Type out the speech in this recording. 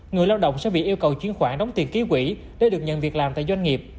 người lao động sẽ bị yêu cầu chuyển khoản đóng tiền ký quỷ để được nhận việc làm tại doanh nghiệp